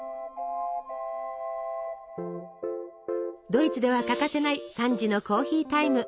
ドイツでは欠かせない３時のコーヒータイム。